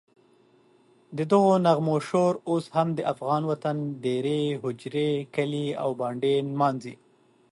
ددغو نغمو شور اوس هم د افغان وطن دېرې، هوجرې، کلي او بانډې نمانځي.